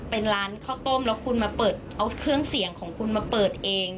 เป็นร้านข้าวต้มแล้วคุณมาเปิดเอาเครื่องเสียงของคุณมาเปิดเอง